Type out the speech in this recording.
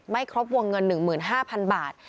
ครบวงเงิน๑๕๐๐๐บาท